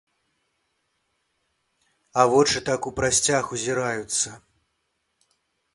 А вочы так у прасцяг узіраюцца.